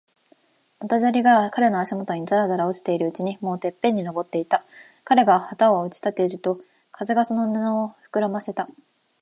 まだ砂利が彼の足もとにざらざら落ちているうちに、もうてっぺんに登っていた。彼が旗を打ち立てると、風がその布をふくらませた。